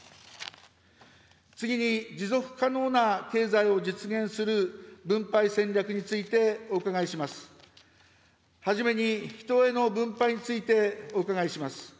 次に、持続可能な経済を実現する分配戦略についてお伺いします。